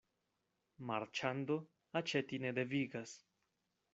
Marĉando aĉeti ne devigas.